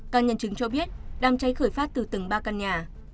các nhân chứng cho biết đám cháy khởi phát từ tầng ba căn nhà